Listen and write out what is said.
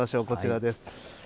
こちらです。